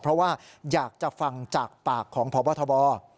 เพราะว่าอยากจะฟังจากปากของพบทบ